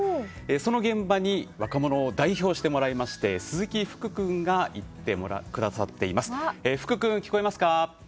その現場に若者を代表して鈴木福君が行ってくださっています。